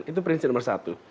itu prinsip nomor satu